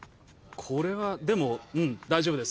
これはでも大丈夫です。